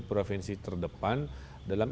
provinsi terdepan dalam